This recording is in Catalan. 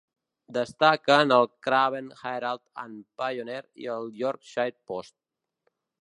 Destaquen el "Craven Herald and Pioneer" i el "Yorkshire Post".